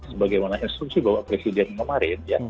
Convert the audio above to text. sebagaimana instruksi bapak presiden kemarin